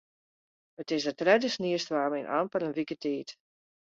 It is de tredde sniestoarm yn amper in wike tiid.